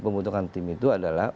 pembentukan tim itu adalah